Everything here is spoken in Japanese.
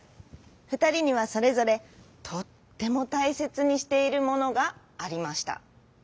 ふたりにはそれぞれとってもたいせつにしているものがありました。